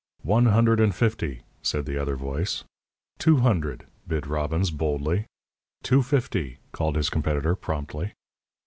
"One hundred and fifty," said the other voice. "Two hundred," bid Robbins, boldly. "Two fifty," called his competitor, promptly.